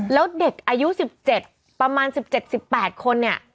แล้วเด็กอายุ๑๗ประมาณ๑๗๑๘คนเนี่ย